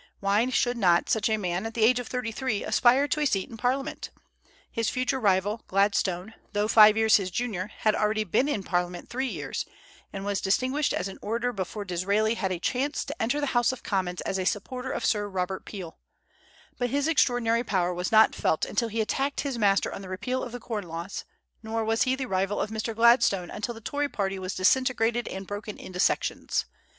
Why should not such a man, at the age of thirty three, aspire to a seat in Parliament? His future rival, Gladstone, though five years his junior, had already been in Parliament three years, and was distinguished as an orator before Disraeli had a chance to enter the House of Commons as a supporter of Sir Robert Peel; but his extraordinary power was not felt until he attacked his master on the repeal of the corn laws, nor was he the rival of Mr. Gladstone until the Tory party was disintegrated and broken into sections.